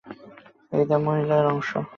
এইটা মহিলাদের অংশ।